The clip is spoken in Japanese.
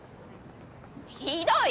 ひどい！